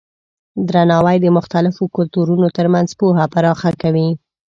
درناوی د مختلفو کلتورونو ترمنځ پوهه پراخه کوي.